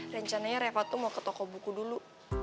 rencananya reva tuh mau ke toko buku dulu